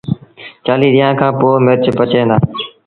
چآليٚه ڏيݩهآݩ کآݩ پو مرچ پچيٚن دآ